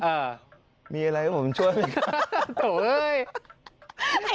เออมีอะไรให้ผมช่วยไหมครับโถ่เฮ้ย